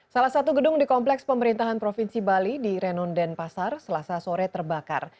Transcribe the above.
salah satu gedung di kompleks pemerintahan provinsi bali di renon denpasar selasa sore terbakar